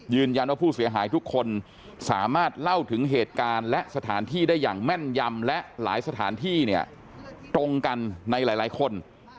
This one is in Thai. ยืนยันว่าผู้เสียหายทุกคนสามารถเล่าถึงเหตุการณ์และสถานที่ได้อย่างแม่นยำและหลายสถานที่เนี่ยตรงกันในหลายคน